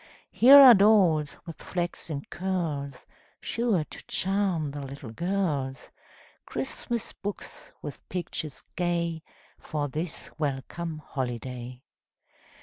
Here are dolls with flaxen curls, Sure to charm the little girls; Christmas books, with pictures gay, For this welcome holiday.